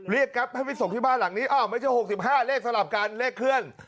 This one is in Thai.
แก๊ปให้ไปส่งที่บ้านหลังนี้อ้าวไม่ใช่๖๕เลขสลับกันเลขเคลื่อน